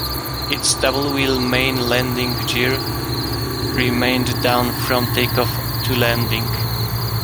Its double-wheel main landing gear remained down from takeoff to landing.